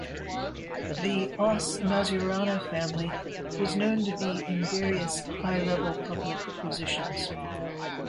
The Oss Mazzurana Family was known to be in various high-level public positions.